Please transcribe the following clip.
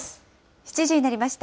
７時になりました。